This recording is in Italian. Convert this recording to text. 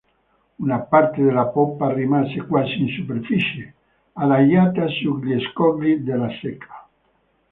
Una parte della poppa rimase quasi in superficie, adagiata sugli scogli della secca.